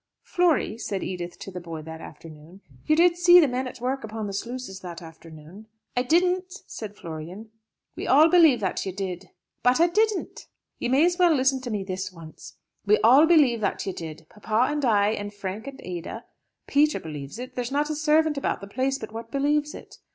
"Flory," said Edith to the boy that afternoon, "you did see the men at work upon the sluices that afternoon?" "I didn't," said Florian. "We all believe that you did." "But I didn't." "You may as well listen to me this once. We all believe that you did papa and I, and Frank and Ada; Peter believes it; there's not a servant about the place but what believes it.